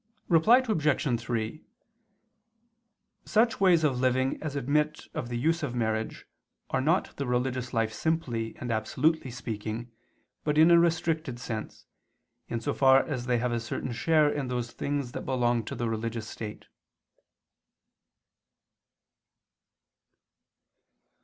Reply Obj. 3: Such ways of living as admit of the use of marriage are not the religious life simply and absolutely speaking, but in a restricted sense, in so far as they have a certain share in those things that belong to the religious state.